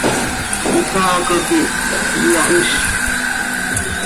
Isaaco quih iyahizlc.